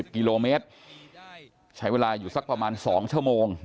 กิโลเมตรใช้เวลาอยู่สักประมาณ๒ชั่วโมง